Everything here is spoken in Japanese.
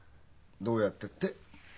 「どうやって」って？